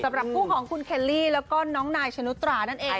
สำหรับคู่ของคุณเคลลี่แล้วก็น้องนายชนุตรานั่นเอง